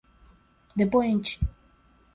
depoente